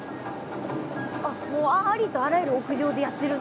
もうありとあらゆる屋上でやってるんですね